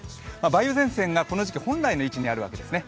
梅雨前線がこの時期、本来の位置にあるわけですね。